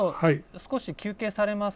少し休憩されますか？